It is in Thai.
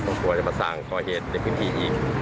กลัวจะมาสร้างปลอดภัยในพื้นที่อีก